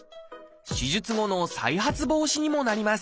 手術後の再発防止にもなります。